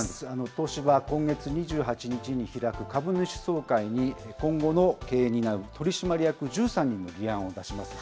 東芝、今月２８日に開く株主総会に、今後の経営を担う取締役１３人の議案を出します。